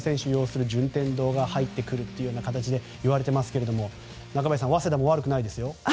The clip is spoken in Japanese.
擁する順天堂が入ってくるといわれていますが、中林さん早稲田も悪くないですよ。